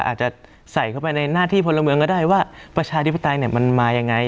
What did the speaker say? อาจจะใส่เข้าไปในหน้าที่พลเมืองก็ได้ว่าประชาธิปไตยมันมายังไง